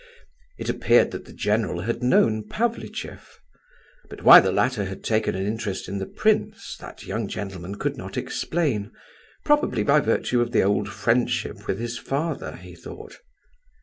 It appeared that the general had known Pavlicheff; but why the latter had taken an interest in the prince, that young gentleman could not explain; probably by virtue of the old friendship with his father, he thought.